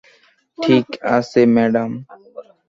ঠিক আছে ম্যাডাম।